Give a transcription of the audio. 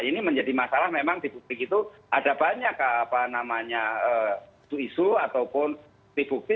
ini menjadi masalah memang di bukti itu ada banyak apa namanya suisu ataupun di bukti